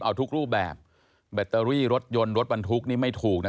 เอาทุกรูปแบบแบตเตอรี่รถยนต์รถบรรทุกนี่ไม่ถูกนะ